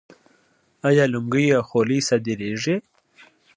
آیا لونګۍ او خولۍ صادریږي؟